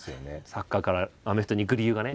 サッカーからアメフトにいく理由がね。